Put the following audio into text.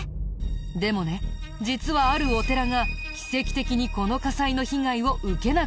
でもね実はあるお寺が奇跡的にこの火災の被害を受けなかったんだ。